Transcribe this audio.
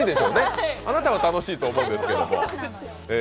あなたは楽しいと思うんですけども。